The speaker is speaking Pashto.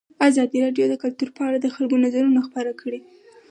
ازادي راډیو د کلتور په اړه د خلکو نظرونه خپاره کړي.